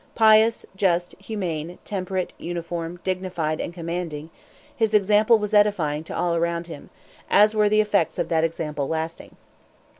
Pious, just, humane, temperate, uniform, dignified, and commanding, his example was edifying to all around him, as were the effects of that example lasting.